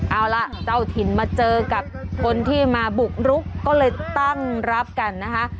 เอาล่ะเจ้าถิ่นมาเจอกับคนที่มาบุกรุกก็เลยตั้งรับกันนะคะ